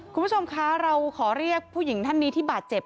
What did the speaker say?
คุณผู้ชมคะเราขอเรียกผู้หญิงท่านนี้ที่บาดเจ็บ